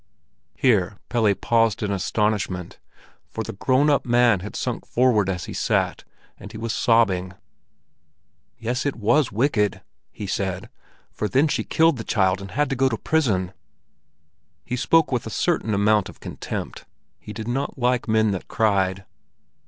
Here Pelle paused in astonishment, for the grown up man had sunk forward as he sat, and he was sobbing. "Yes, it was wicked," he said. "For then she killed her child and had to go to prison." He spoke with a certain amount of contempt; he did not like men that cried.